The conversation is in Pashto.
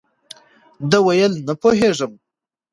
ده ویل، نه پوهېږم.